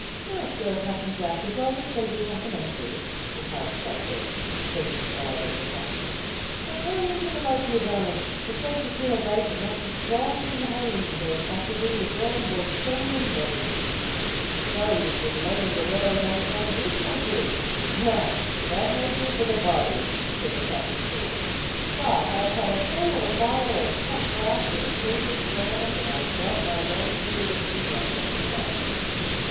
"Now sure, Captain Jack, ye's always full of your complimentaries," replied the sutler, taking the bridle of her customer. "But hurry in for the life of you, darling; the fences hereabouts are not so strong as in the Highlands, and there's that within will warm both sowl and body." "So you have been laying the rails under contribution, I see. Well, that may do for the body," said the captain coolly; "but I have had a pull at a bottle of cut glass with a silver stand, and I doubt my relish for your whisky for a month to come."